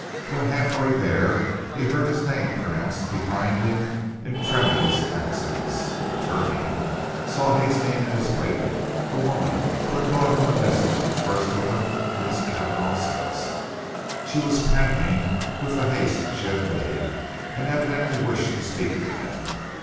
When half way there he heard his name pronounced behind him in tremulous accents, and turning, saw hastening in his wake the woman who had brought him the message which first took him to Miss Cavanagh's house. She was panting with the haste she had made, and evidently wished to speak to him.